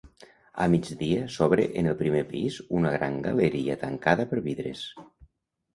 A migdia s'obre en el primer pis una gran galeria tancada per vidres.